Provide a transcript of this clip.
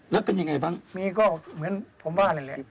แล้วเป็นอย่างไรบ้างมีก็เหมือนผมว่าอะไรเลยครับ